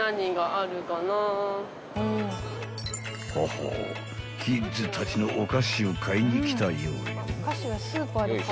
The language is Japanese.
［ほほうキッズたちのお菓子を買いに来たようよ］